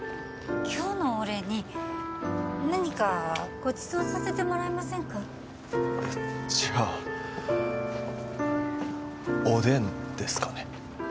今日のお礼に何かごちそうさせてもらえませんかえっじゃあおでんですかね